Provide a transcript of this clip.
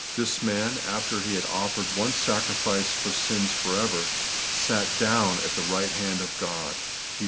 * This man, after He had offered one sacrifice for sins for ever, SAT DOWN at the right hand of Gk)d' (Heb.